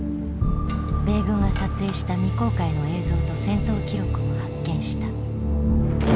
米軍が撮影した未公開の映像と戦闘記録を発見した。